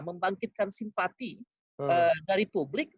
membangkitkan simpati dari publik